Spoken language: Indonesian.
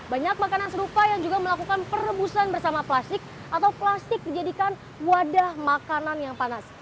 banyak makanan serupa yang juga melakukan perebusan bersama plastik atau plastik dijadikan wadah makanan yang panas